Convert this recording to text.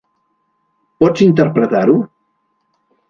Pots interpretar-ho?